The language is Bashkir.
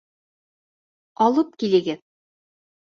Алып килегеҙ!